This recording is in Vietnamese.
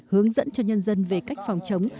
hướng dẫn cho nhân dân về cách phòng chống